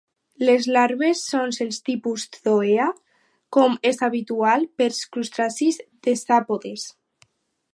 Les larves són del tipus zoea, com és habitual pels crustacis decàpodes.